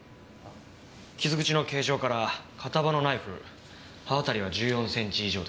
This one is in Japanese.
傷口の形状から片刃のナイフ刃渡りは１４センチ以上です。